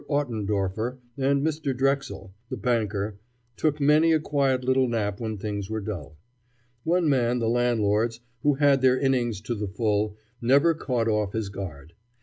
Ottendorfer and Mr. Drexel, the banker, took many a quiet little nap when things were dull. One man the landlords, who had their innings to the full, never caught off his guard.